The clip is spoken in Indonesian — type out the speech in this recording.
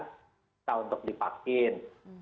tidak untuk divaksin